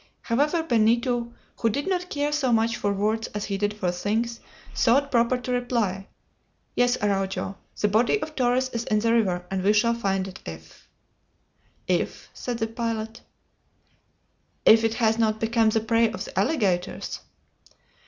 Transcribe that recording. However, Benito, who did not care so much for words as he did for things, thought proper to reply, "Yes, Araujo; the body of Torres is in the river, and we shall find it if " "If?" said the pilot. "If it has not become the prey of the alligators!"